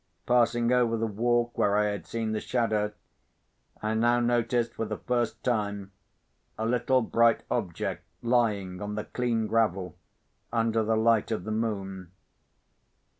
Passing over the walk where I had seen the shadow, I now noticed, for the first time, a little bright object, lying on the clean gravel, under the light of the moon.